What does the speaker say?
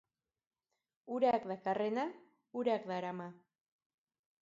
Urak dakarrena, urak darama.